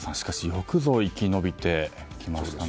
よくぞ生き延びてきましたね。